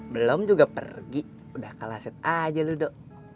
belom juga pergi udah kalah set aja lu do